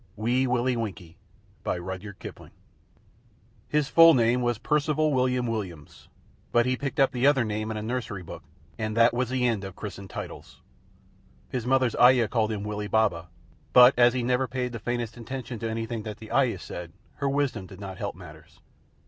WEE WILLIE WINKIE "An officer and a gentleman." His full name was Percival William Williams, but he picked up the other name in a nursery book, and that was the end of the christened titles. His mother's ayah called him Willie Baba, but as he never paid the faintest attention to anything that the ayah said, her wisdom did not help matters.